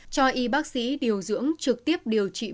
cho y bác sĩ điều dưỡng trực tiếp điều trị